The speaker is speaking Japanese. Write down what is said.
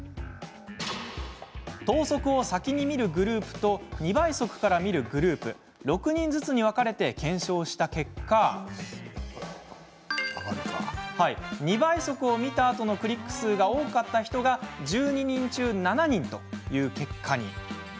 等速を先に見るグループと２倍速から見るグループ６人ずつに分かれて検証した結果２倍速を見たあとのクリック数が多かった人が１２人中７人という結果に。